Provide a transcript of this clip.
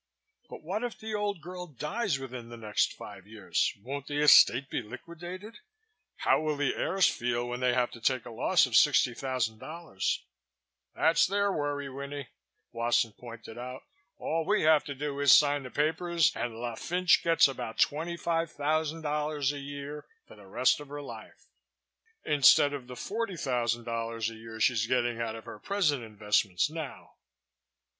"But what if the old girl dies within the next five years? Won't the estate be liquidated? How will the heirs feel when they have to take a loss of $60,000?" "That's their worry, Winnie," Wasson pointed out. "All we have to do is sign the papers and la Fynch gets about $25,000 a year for the rest of her life." "Instead of the $40,000 a year she's getting out of her present investments now."